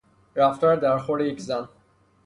رفتار درخور یک زن